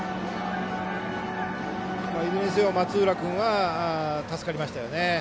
いずれにせよ、松浦君は助かりましたよね。